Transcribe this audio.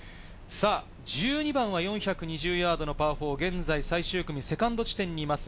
１２番は４２０ヤードのパー４、現在、最終組セカンド地点にいます。